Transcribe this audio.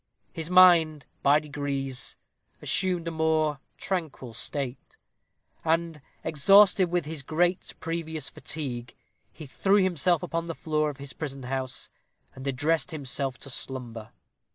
His mind, by degrees, assumed a more tranquil state; and, exhausted with his great previous fatigue, he threw himself upon the floor of his prison house, and addressed himself to slumber.